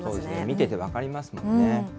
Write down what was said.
見てて分かりますもんね。